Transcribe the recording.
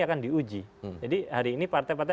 akan diuji jadi hari ini partai partai